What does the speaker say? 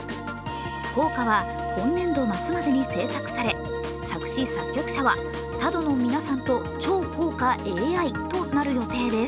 校歌は今年度末までに制作され、作詞・作曲者は多度のみなさんと超校歌ＡＩとなる予定です。